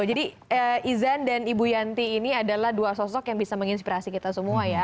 jadi izan dan ibu yanti ini adalah dua sosok yang bisa menginspirasi kita semua ya